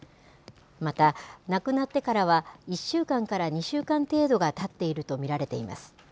また、亡くなってからは１週間から２週間程度がたっていると見られています。